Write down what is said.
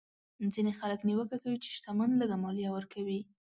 ځینې خلک نیوکه کوي چې شتمن لږه مالیه ورکوي.